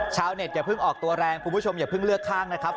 ชาวเน็ตอย่าเพิ่งออกตัวแรงคุณผู้ชมอย่าเพิ่งเลือกข้างนะครับ